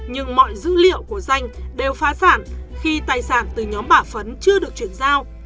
nhưng mọi dữ liệu của danh đều phá sản khi tài sản từ nhóm bà phấn chưa được chuyển giao